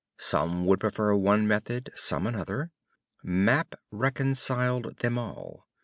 Some would prefer one method, some another; Map reconciled all.